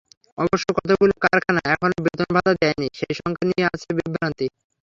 অবশ্য কতগুলো কারখানা এখনো বেতন-ভাতা দেয়নি, সেই সংখ্যা নিয়ে আছে বিভ্রান্তি।